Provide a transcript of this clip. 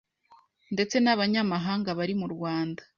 ndtse n’abanyamahanga bari mu Rwanda